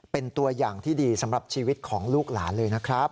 เป็นตัวอย่างที่ดีสำหรับชีวิตของลูกหลานเลยนะครับ